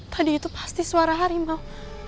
tadi itu pasti suara harimau